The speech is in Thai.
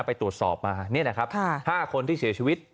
ไปตรวจสอบมานี่นะครับ๕คนที่เสียชีวิต